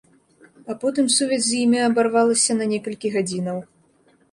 А потым сувязь з імі абарвалася на некалькі гадзінаў.